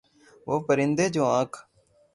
وہ پرندے جو آنکھ